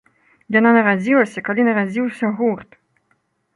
Яна нарадзілася, калі нарадзіўся гурт!